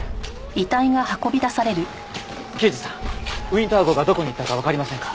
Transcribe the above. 刑事さんウィンター号がどこに行ったかわかりませんか？